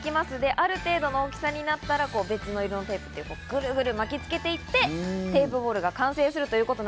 ある程度の大きさになったら別の色のテープでくるくる巻きつけて行ってテープボールが完成します。